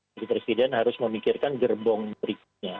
presiden harus memikirkan gerbong berikutnya